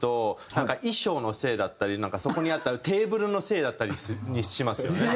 なんか衣装のせいだったりそこにあったテーブルのせいだったりにしますよね。